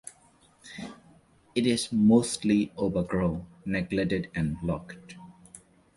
It is mostly overgrown, neglected and locked.